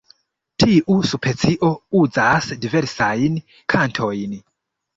Tiu specio uzas diversajn kantojn.